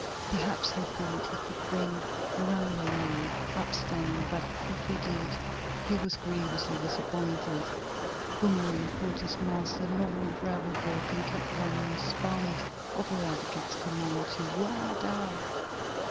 Perhaps he thought he could bring the runaway mule up standing, but, if he did, he was grievously disappointed. Boomerang pulled his master along the gravel walk, and kept running in spite of Eradicate's command to "whoa, dar!"